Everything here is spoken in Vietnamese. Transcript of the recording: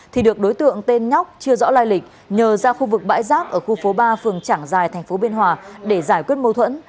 thì được đối tượng tên nhóc chưa rõ lai lịch nhờ ra khu vực bãi rác ở khu phố ba phường trảng giài thành phố biên hòa để giải quyết mâu thuẫn